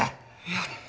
やった！